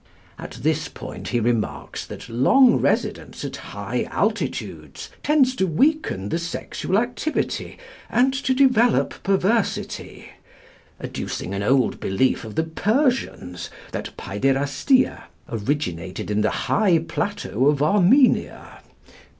At this point he remarks that long residence at high altitudes tends to weaken the sexual activity and to develop perversity, adducing an old belief of the Persians that pæderastia originated in the high plateau of Armenia (p.